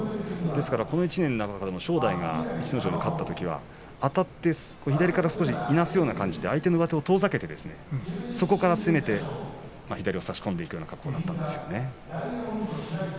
ですから、この１年正代が逸ノ城に勝ったときはあたって左からいなすような感じで相手の上手を遠ざけてそこから攻めて左から差し込んでいく、そういう相撲でしたね。